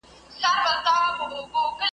رواني او پای یې هیچا ته څرګند نه دی `